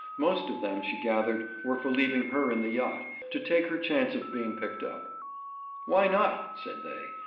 Most of them, she gathered, were for leaving her in the yacht, to take her chance of being picked up. 'Why not?' said they.